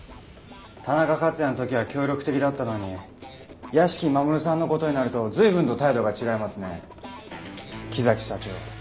田中克也の時は協力的だったのに屋敷マモルさんの事になると随分と態度が違いますね木崎社長。